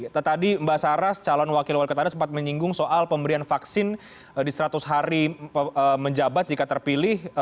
tadi mbak saras calon wakil wali kota anda sempat menyinggung soal pemberian vaksin di seratus hari menjabat jika terpilih